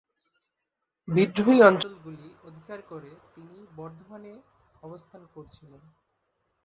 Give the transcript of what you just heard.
বিদ্রোহী অঞ্চলগুলি অধিকার করে তিনি বর্ধমানে অবস্থান করছিলেন।